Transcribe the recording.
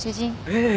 ええ。